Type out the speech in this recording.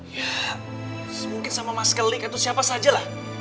ya semungkin sama mas klik atau siapa saja lah